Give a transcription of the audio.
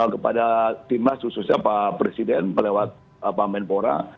kepada timnas khususnya pak presiden melewat pamanpora